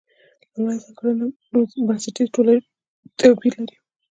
لومړۍ ځانګړنه بنسټیز توپیر لري.